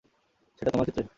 সেটা তোমার ক্ষেত্রে।